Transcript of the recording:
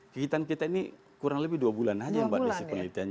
kekhidupan kita ini kurang lebih dua bulan saja mbak desy pengelitiannya